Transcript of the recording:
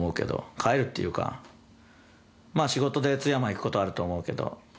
帰るっていうか、仕事で津山行くことあると思うけど。